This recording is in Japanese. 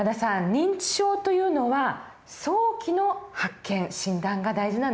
認知症というのは早期の発見診断が大事なんですね。